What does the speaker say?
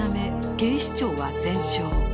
警視庁は全焼。